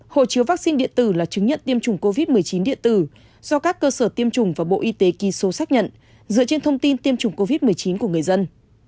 hồ chứa vaccine điện tử là chứng nhận tiêm chủng covid một mươi chín điện tử do các cơ sở tiêm chủng và bộ y tế ghi số xác nhận dựa trên thông tin tiêm chủng covid một mươi chín của người dân